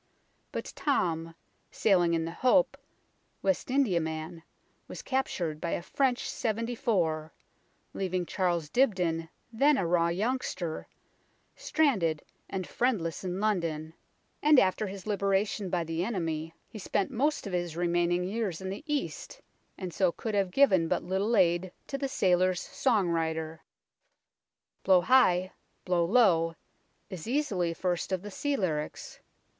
But Tom, sailing in the Hope, West Indiaman, was captured by a French seventy four, leaving Charles Dibdin, then a raw youngster, stranded and friendless in London, and after his liberation by the enemy he spent most of his remaining n8 UNKNOWN LONDON years in the East, and so could have given but little aid to the sailors' song writer. " Blow High, Blow Low " is easily first of the sea lyrics.